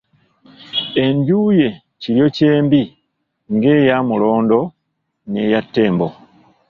Enju ye Kiryokyembi ng'eya Mulondo n'eya Ttembo.